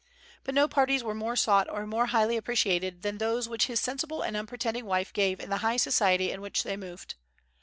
But no parties were more sought or more highly appreciated than those which his sensible and unpretending wife gave in the high society in which they moved.